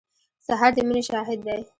سهار د مینې شاهد دی.